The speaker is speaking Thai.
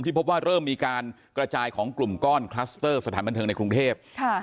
พบว่าเริ่มมีการกระจายของกลุ่มก้อนคลัสเตอร์สถานบันเทิงในกรุงเทพ